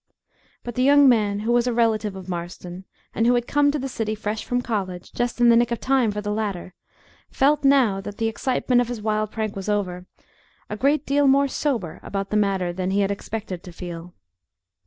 But the young man, who was a relative of Marston, and who had come to the city fresh from college, just in the nick of time for the latter, felt, now that the excitement of his wild prank was over, a great deal more sober about the matter than he had expected to feel.